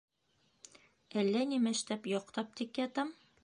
Әллә нимәштәп йоҡтап тик ятам...